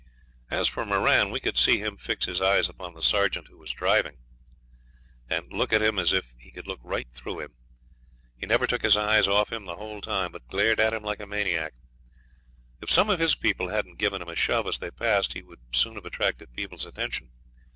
As for Moran, we could see him fix his eyes upon the sergeant who was driving, and look at him as if he could look right through him. He never took his eyes off him the whole time, but glared at him like a maniac; if some of his people hadn't given him a shove as they passed he would soon have attracted people's attention.